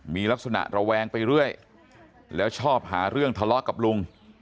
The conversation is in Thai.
มีลักษณะระแวงไปเรื่อยแล้วชอบหาเรื่องทะเลาะกับลุง